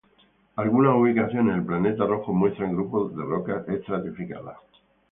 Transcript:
Algunas ubicaciones del planeta rojo muestran grupos de rocas estratificadas.